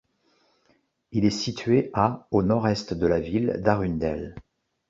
Il est situé à au nord-est de la ville d'Arundel.